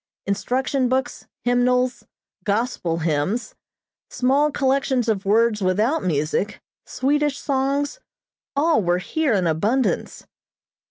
Instruction books, hymnals, "Gospel Hymns," small collections of words without music, Swedish songs all were here in abundance.